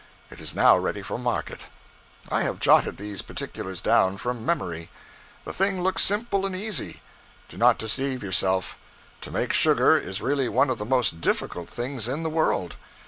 It is now ready for market. I have jotted these particulars down from memory. The thing looks simple and easy. Do not deceive yourself. To make sugar is really one of the most difficult things in the world.